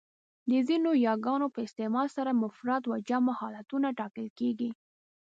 د ځینو یاګانو په استعمال سره مفرد و جمع حالتونه ټاکل کېږي.